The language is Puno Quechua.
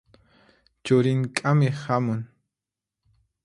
Churin k'amiq hamun.